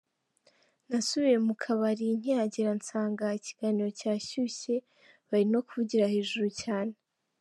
Nasubiye mu kabari, nkihagera nsanga ikiganiro cyashyushye bari no kuvugira hejuru cyane.